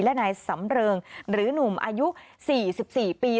และนายสำเริงหรือหนุ่มอายุ๔๔ปี